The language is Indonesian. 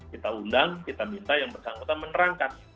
kita undang kita minta yang bersangkutan menerangkan